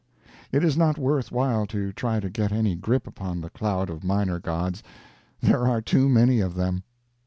It is not worth while to try to get any grip upon the cloud of minor gods, there are too many of them.